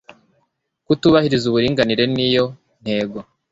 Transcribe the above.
kutubahiriza uburinganire niyo ntego